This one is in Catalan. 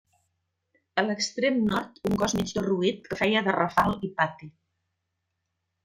A l'extrem nord, un cos mig derruït que feia de rafal i pati.